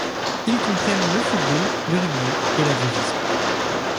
Ils comprennent le football, le rugby et l'athlétisme.